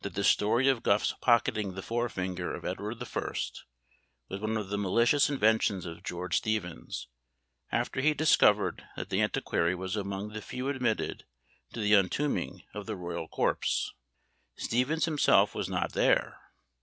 It is probable that this story of Gough's pocketing the fore finger of Edward the First, was one of the malicious inventions of George Steevens, after he discovered that the antiquary was among the few admitted to the untombing of the royal corpse; Steevens himself was not there!